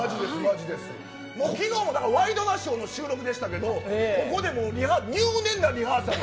昨日もワイドナショーの収録でしたけどここで入念なリハーサル。